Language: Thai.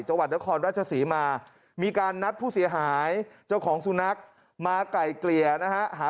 จังหวัดนครราชศรีมามีการนัดผู้เสียหายเจ้าของสุนัขมาไก่เกลี่ยนะฮะหา